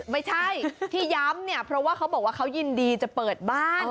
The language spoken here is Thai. ไม่ใช่ที่ย้ำเนี่ยเพราะว่าเขาบอกว่าเขายินดีจะเปิดบ้าน